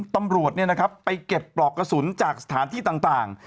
ตำรวจไปเก็บปลอกกระสุนจากสถานที่ต่าง